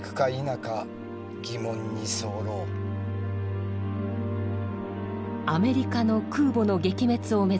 アメリカの空母の撃滅を目指した山本。